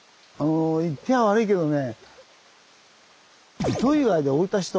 言っちゃあ悪いけどね